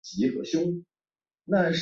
克雷特维尔。